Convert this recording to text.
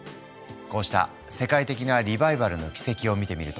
こうした世界的なリバイバルの軌跡を見てみると